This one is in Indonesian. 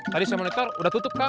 tadi saya monitor udah tutup kang